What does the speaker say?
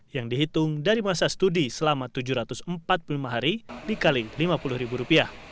yang dihitung dari masa studi selama tujuh ratus empat puluh lima hari dikali rp lima puluh